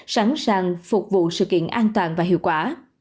sẵn sàng phục vụ sự kiện an toàn và hiệu quả